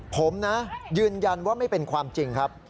ผมนะยืนยันว่าไม่เป็นความจริงครับ